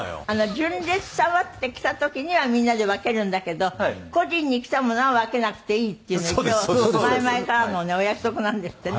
「純烈様」って来た時にはみんなで分けるんだけど個人に来たものは分けなくていいっていうのは一応前々からのお約束なんですってね。